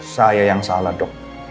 saya yang salah dok